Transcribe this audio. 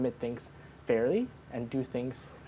mengambil alasan dengan baik